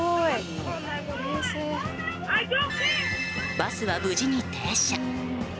バスは無事に停車。